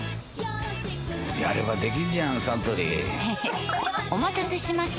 やればできんじゃんサントリーへへっお待たせしました！